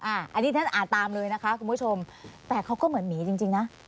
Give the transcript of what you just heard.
อันนี้ฉันอ่านตามเลยนะคะคุณผู้ชมแต่เขาก็เหมือนหมีจริงนะ